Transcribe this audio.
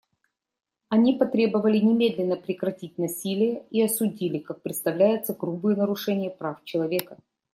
Они потребовали немедленно прекратить насилие и осудили, как представляется, грубые нарушения прав человека.